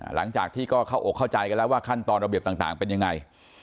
หลังจากที่ก็เข้าอกเข้าใจกันแล้วว่าขั้นตอนระเบียบต่างเป็นยังไง